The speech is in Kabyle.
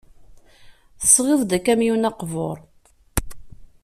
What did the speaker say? Tesɣiḍ-d akamyun aqbur.